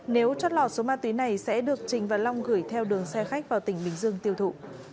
nếu chót lọt số ma túy này sẽ được trình và long gửi theo đường xe khách vào tỉnh bình dương tiêu thụ